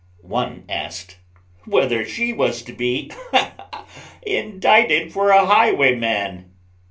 One asked, "Whether she was to be indicted for a highwayman?"